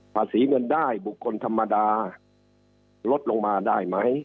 เงินได้บุคคลธรรมดาลดลงมาได้ไหม